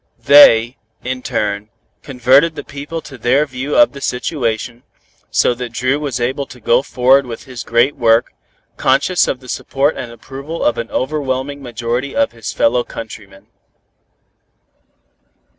They, in turn, converted the people to their view of the situation, so that Dru was able to go forward with his great work, conscious of the support and approval of an overwhelming majority of his fellow countrymen.